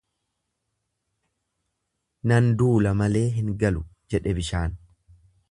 Nan duula malee hin galu jedhe bishaan.